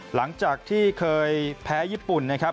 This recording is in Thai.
หลังจากที่เคยแพ้ญี่ปุ่นนะครับ